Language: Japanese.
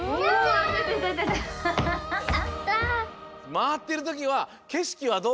まわってるときはけしきはどう？